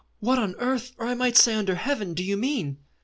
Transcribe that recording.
What on earth, or I might say under heaven, do you mean?"